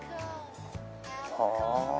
はあ。